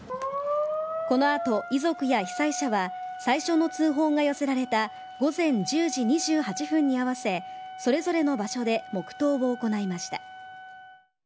このあと、遺族や被災者は、最初の通報が寄せられた午前１０時２８分に合わせ、それぞれの場所で黙とうを行いました。